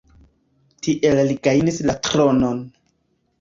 Tiel li gajnis la tronon.